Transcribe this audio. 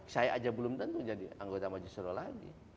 saya aja belum tentu jadi anggota maju surau lagi